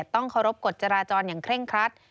ต้องเคารพกฎจราจรอย่างเคร่งครัด